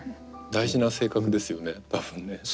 大事な性格ですよね多分ね。